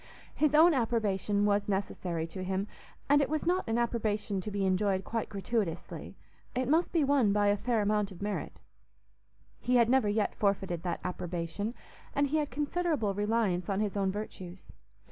His own approbation was necessary to him, and it was not an approbation to be enjoyed quite gratuitously; it must be won by a fair amount of merit. He had never yet forfeited that approbation, and he had considerable reliance on his own virtues.